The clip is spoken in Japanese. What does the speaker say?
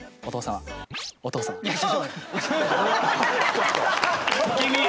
ちょっと君。